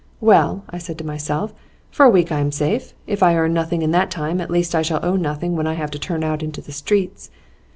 "Well," I said to myself, "for a week I am safe. If I earn nothing in that time, at least I shall owe nothing when I have to turn out into the streets."